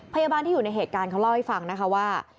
พยาบาลที่อยู่ในเหตุการณ์เขาเล่าให้ฟังนะคะว่า